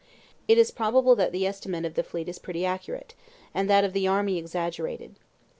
It is probable that the estimate of the fleet is pretty accurate, and that of the army exaggerated.